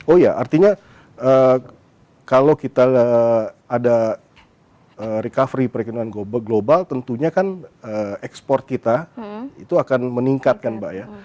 oh ya artinya kalau kita ada recovery perekonomian global tentunya kan ekspor kita itu akan meningkat kan mbak ya